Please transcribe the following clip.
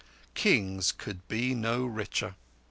Kings could be no richer.